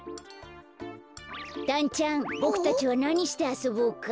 だんちゃんボクたちはなにしてあそぼうか？